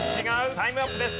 タイムアップです。